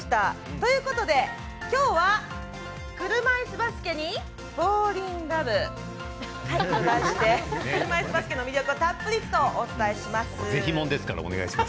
ということで、きょうは「車いすバスケにフォーリンラブ！」と題して車いすバスケの魅力をたっぷりお伝えします。